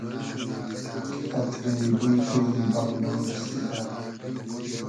کی اتری بوی تو ای بئغلۉ رئسیدۂ